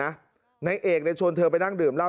นายเอกเนี่ยชวนเธอไปนั่งดื่มเล่า